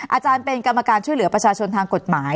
อาจารย์เป็นกรรมการช่วยเหลือประชาชนทางกฎหมาย